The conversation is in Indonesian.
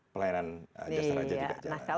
pelayanan jasa raja juga jalan